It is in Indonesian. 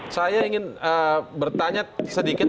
saya ingin bertanya sedikit